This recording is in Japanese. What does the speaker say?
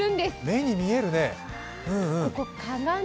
目に見えるね。